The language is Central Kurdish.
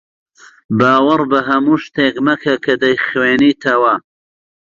باوەڕ بە هەموو شتێک مەکە کە دەیخوێنیتەوە.